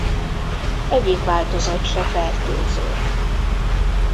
Egyik változat se fertőző.